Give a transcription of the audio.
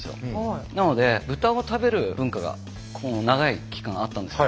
なので豚を食べる文化が長い期間あったんです。